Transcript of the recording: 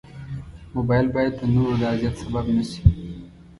موبایل باید د نورو د اذیت سبب نه شي.